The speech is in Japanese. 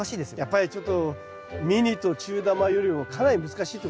やっぱりちょっとミニと中玉よりもかなり難しいってことになりますね。